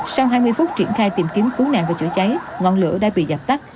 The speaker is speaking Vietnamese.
sau hai mươi phút triển khai tìm kiếm cứu nạn và chữa cháy ngọn lửa đã bị dập tắt